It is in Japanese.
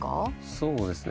そうですね。